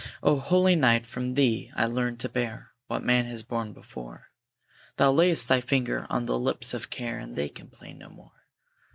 O holy Night! from thee I learn to bear What man has borne before! Thou layest thy finger on the lips of Care, And they complain no more.